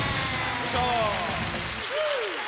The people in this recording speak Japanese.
よいしょ。